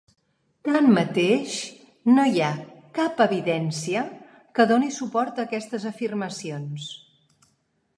Tanmateix, no hi ha cap evidència que doni suport a aquestes afirmacions.